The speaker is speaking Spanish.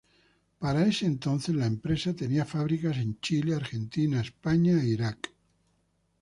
Para ese entonces la empresa tenía fábricas en Chile, Argentina, España e Irak.